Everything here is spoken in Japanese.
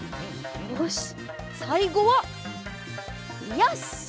よしさいごはよし！